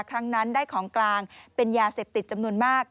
ครั้งนั้นได้ของกลางเป็นยาเสพติดจำนวนมาก